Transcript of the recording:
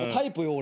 俺。